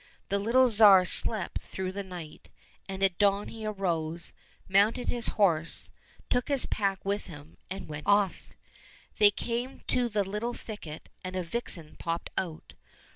The little Tsar slept through the night, and at dawn he arose, mounted his horse, took his pack with him, and went off. They came to a little thicket, and a vixen popped out.